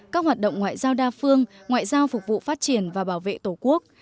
các hoạt động ngoại giao đa phương ngoại giao phục vụ phát triển và bảo vệ tổ quốc